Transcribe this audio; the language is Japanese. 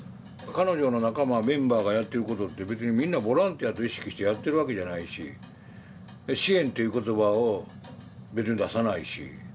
彼女の仲間メンバーがやってることって別にみんなボランティアと意識してやってるわけじゃないし支援という言葉を別に出さないし